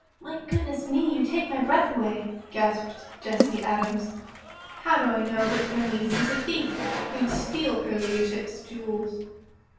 "My goodness me, you take my breath away!" gasped Jessie Adams. "How do I know but your niece is a thief who'd steal her Ladyship's jewels?"